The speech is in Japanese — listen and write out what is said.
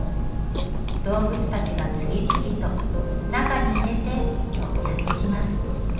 動物たちが次々と「中に入れて」とやって来ます。